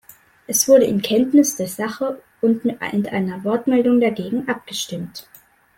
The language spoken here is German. Es wurde in Kenntnis der Sache und mit einer Wortmeldung dagegen abgestimmt.